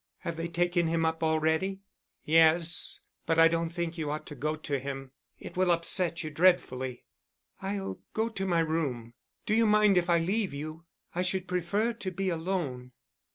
Have they taken him up already?" "Yes, but I don't think you ought to go to him. It will upset you dreadfully." "I'll go to my room. Do you mind if I leave you? I should prefer to be alone."